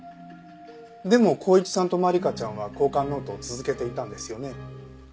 でも公一さんと万理華ちゃんは交換ノートを続けていたんですよね？